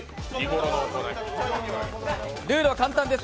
ルールは簡単です。